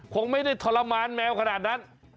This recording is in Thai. คงไม่ได้ทรมานแมวขนาดนั้น